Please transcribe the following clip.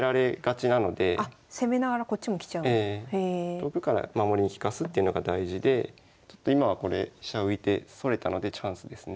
遠くから守りに利かすっていうのが大事でちょっと今はこれ飛車浮いてそれたのでチャンスですね。